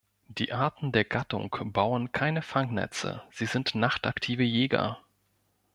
Die Arten der Gattung bauen keine Fangnetze, sie sind nachtaktive Jäger.